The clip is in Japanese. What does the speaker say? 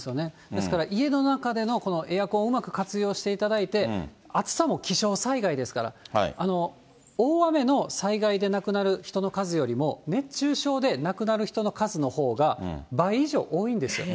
ですから、家の中でのこのエアコンうまく活用していただいて、暑さも気象災害ですから、大雨の災害で亡くなる人の数よりも、熱中症で亡くなる人の数のほうが、倍以上多いんですよ。